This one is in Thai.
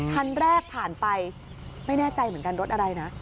คันแรกผ่านไปไม่แน่ใจเหมือนกันรถอะไรนะ